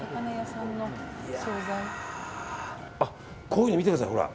こういうの見てください。